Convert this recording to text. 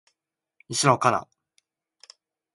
西野カナ